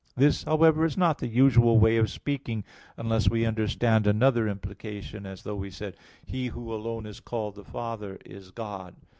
This, however, is not the usual way of speaking, unless we understand another implication, as though we said "He who alone is called the Father is God."